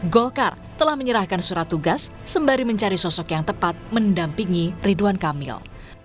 golkar telah menyerahkan surat tugas sembari mencari sosok yang tepat mendampingi ridwan kamil